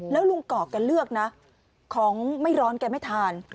แล้วลุงกอกแกเลือกนะของไม่ร้อนแกไม่ทาน